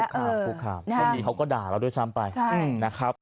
ตอนนี้เขาก็ด่าเราด้วยซ้ำไปนะครับ